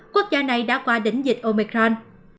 quốc gia này đã qua đỉnh dịch omicron